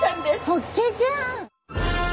ホッケちゃん。